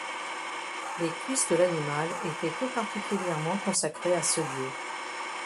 Les cuisses de l'animal étaient tout particulièrement consacrées à ce dieu.